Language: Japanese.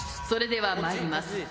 それではまいります。